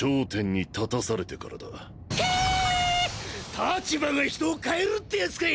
立場が人を変えるってやつかい！